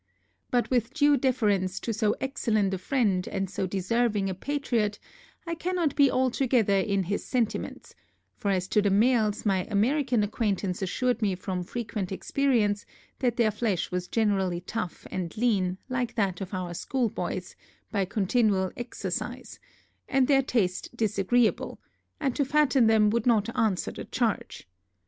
But with due deference to so excellent a friend, and so deserving a patriot, I cannot be altogether in his sentiments; for as to the males, my American acquaintance assured me from frequent experience, that their flesh was generally tough and lean, like that of our schoolboys, by continual exercise, and their taste disagreeable, and to fatten them would not answer the charge.